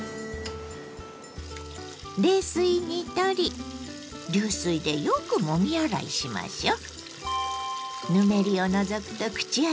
冷水にとり流水でよくもみ洗いしましょう。